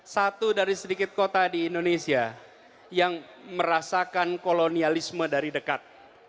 satu dari sedikit kota di indonesia yang merasakan kolonialisme dari dekat